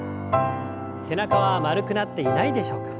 背中は丸くなっていないでしょうか。